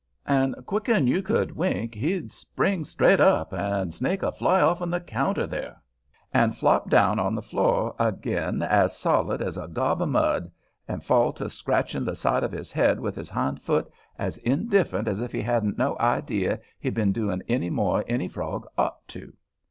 and quicker'n you could wink he'd spring straight up and snake a fly off'n the counter there, and flop down on the floor ag'in as solid as a gob of mud, and fall to scratching the side of his head with his hind foot as indifferent as if he hadn't no idea he'd been doin' any more'n any frog might do.